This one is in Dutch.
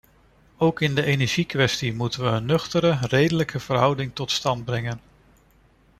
Ook in de energiekwestie moeten we een nuchtere, redelijke verhouding tot stand brengen.